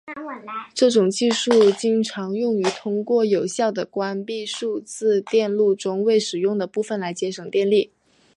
这种技术经常用于通过有效地关闭数字电路中未使用的部分来节省电力。